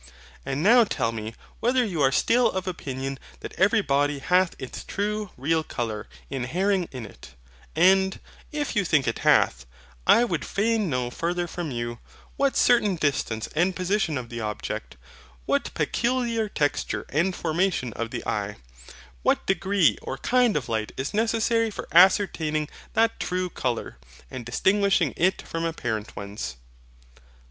And now tell me whether you are still of opinion that every body hath its true real colour inhering in it; and, if you think it hath, I would fain know farther from you, what certain distance and position of the object, what peculiar texture and formation of the eye, what degree or kind of light is necessary for ascertaining that true colour, and distinguishing it from apparent ones.